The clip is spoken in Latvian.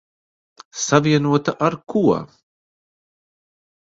Savienota ar ko?